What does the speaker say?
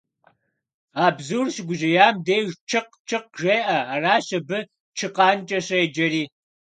А бзур щыгужьеям деж «чыкъ-чыкъ» жеӀэ, аращ абы чыкъанкӀэ щӀеджэри.